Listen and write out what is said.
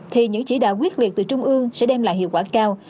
thì những chỉ đạo quyết liệt từ trung ương sẽ đem lại hiệu quả cao